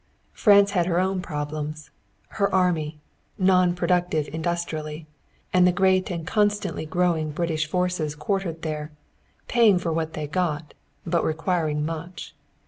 France had her own problems her army, non productive industrially, and the great and constantly growing British forces quartered there, paying for what they got, but requiring much.